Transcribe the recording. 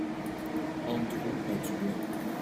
Andrew à Dublin.